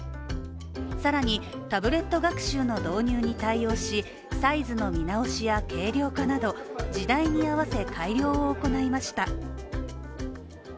更にタブレット学習の導入に対応しサイズの見直しや軽量化など時代に合わせ改良を行いました。